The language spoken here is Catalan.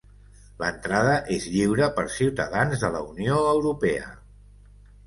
L'entrada és lliure per ciutadans de la Unió Europea.